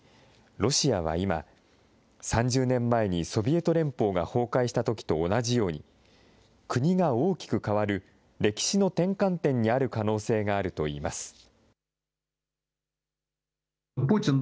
ロシアは今、３０年前にソビエト連邦が崩壊したときと同じように、国が大きく変わる歴史の転換点にある可能性があるといいます。